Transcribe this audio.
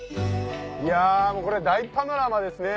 いやもうこれ大パノラマですね。